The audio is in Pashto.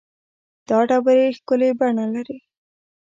دا ډبرې ښکلې بڼه لري.